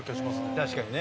確かにね。